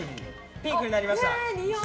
ピンクになりました！